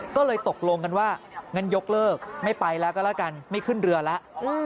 ก็เลยตกลงกันว่างั้นยกเลิกไม่ไปแล้วก็แล้วกันไม่ขึ้นเรือแล้ว